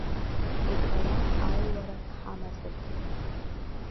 Иҟалап аиуара ҳамазаргьы.